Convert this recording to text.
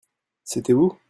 C'était vous ?